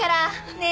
ねえ？